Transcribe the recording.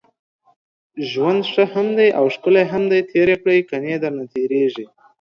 ژوند ښه هم دی اوښکلی هم دی تېر يې کړئ، کني درنه تېريږي